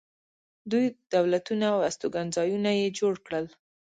دوی دولتونه او استوګنځایونه یې جوړ کړل